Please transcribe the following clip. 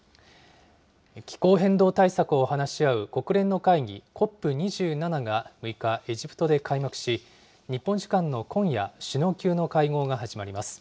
気候変動対策を話し合う国連の会議、ＣＯＰ２７が６日、エジプトで開幕し、日本時間の今夜、首脳級の会合が始まります。